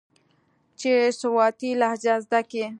چې سواتي لهجه زده کي.